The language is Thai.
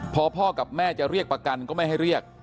พอพ่อกับแม่จะเรียกประกันก็ไม่ให้เรียก